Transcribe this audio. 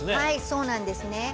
そうなんですね。